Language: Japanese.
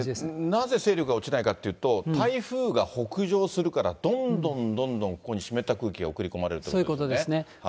なぜ勢力が落ちないかっていうと、台風が北上するから、どんどんどんどん、ここに湿った空気そういうことですね。